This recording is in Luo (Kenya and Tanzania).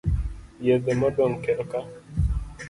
Yedhe modong'o kelka.